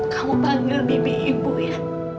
kamu panggil bibi ibu ya